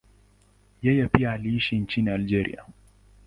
Yeye pia aliishi nchini Algeria.